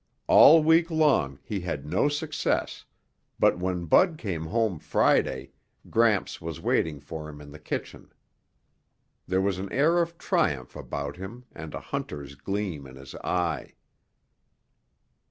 All week long he had no success, but when Bud came home Friday, Gramps was waiting for him in the kitchen. There was an air of triumph about him and a hunter's gleam in his eye.